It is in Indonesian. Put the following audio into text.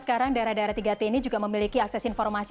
sekarang daerah daerah tiga t ini juga memiliki akses informasi